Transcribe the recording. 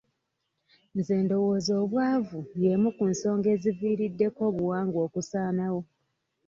Nze ndowooza obwavu y'emu ku nsonga ezivuddeko obuwangwa okusaanawo.